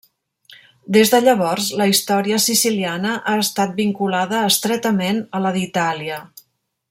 Des de llavors, la història siciliana ha estat vinculada estretament a la d'Itàlia.